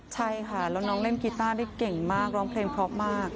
ใช่ค่ะแล้วน้องเล่นกีต้าได้เก่งมากร้องเพลงเพราะมาก